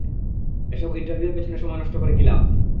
এসব ইন্টারভিউর পেছনে সময় নষ্ট করে কী লাভ?